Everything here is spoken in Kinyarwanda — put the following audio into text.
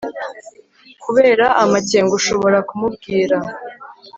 kubera amakenga, ushobora kumubwira